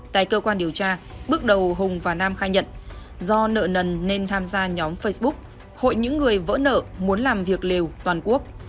tại cơ quan điều tra bước đầu hùng và nam khai nhận do nợ nần nên tham gia nhóm facebook hội những người vỡ nợ muốn làm việc liều toàn quốc